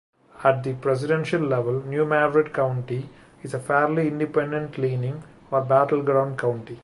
At the presidential level, New Madrid County is a fairly independent-leaning or battleground county.